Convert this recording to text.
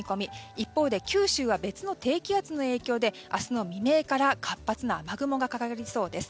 一方で九州は別の低気圧の影響で明日の未明から活発な雨雲がかかりそうです。